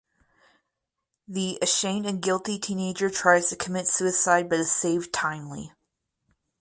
The ashamed and guilty teenager tries to commit suicide but is saved timely.